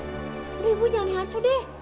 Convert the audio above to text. ibu ibu jangan ngaco deh